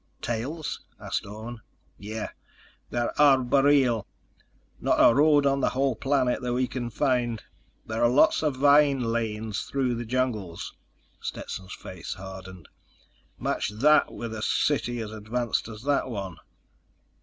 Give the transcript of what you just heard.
"Tails?" asked Orne. "Yeah. They're arboreal. Not a road on the whole planet that we can find. But there are lots of vine lanes through the jungles." Stetson's face hardened. "Match that with a city as advanced as that one."